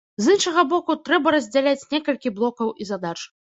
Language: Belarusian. З іншага боку, трэба раздзяляць некалькі блокаў і задач.